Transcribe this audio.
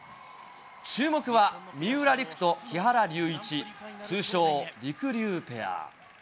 注目は、三浦璃来と木原龍一、通称りくりゅうペア。